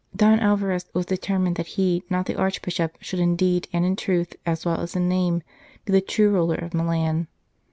Don Alvarez was determined that he, not the Archbishop, should indeed and in truth, as well as in name, be the true ruler of Milan.